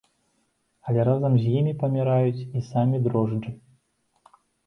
Але разам з імі паміраюць і самі дрожджы.